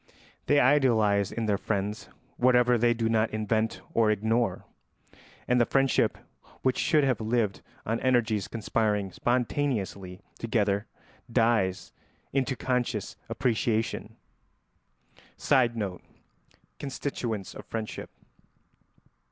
They idealise in their friends whatever they do not invent or ignore, and the friendship which should have lived on energies conspiring spontaneously together dies into conscious appreciation. [Sidenote: Constituents of friendship.